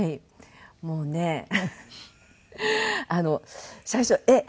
もうねあの最初えっ？